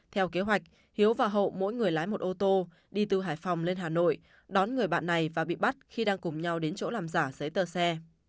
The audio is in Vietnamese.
theo kế hoạch hiếu và hậu mỗi người lái một ô tô đi từ hải phòng lên hà nội đón người bạn này và bị bắt khi đang cùng nhau đến chỗ làm giả giấy tờ xe